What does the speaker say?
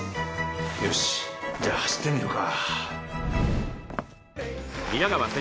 よしじゃあ走ってみるか。